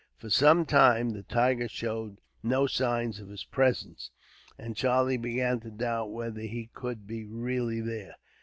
For some time the tiger showed no signs of his presence, and Charlie began to doubt whether he could be really there.